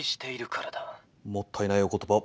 もったいないお言葉。